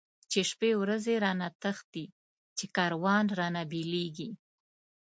چی شپی ورځی رانه تښتی، چی کاروان رانه بيليږی